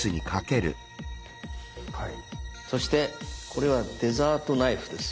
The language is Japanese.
そしてこれはデザートナイフです。